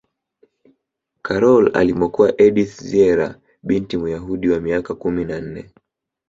karol alimuokoa edith zierer binti muyahudi wa miaka kumi na nne